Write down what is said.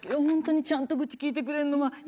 本当にちゃんと愚痴聞いてくれるのは。